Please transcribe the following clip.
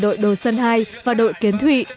đội đồ sơn ii và đội kiến thụy